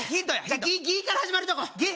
じゃ「ぎ」から始まるとこぎ？